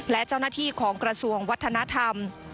และเจ้าหน้าที่ของกระทรวงวัฒนธรรม